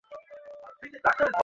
Please, উনাকে বলো আমাকে ফোন দিতে!